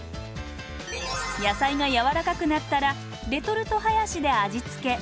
野菜がやわらかくなったらレトルトハヤシで味付け。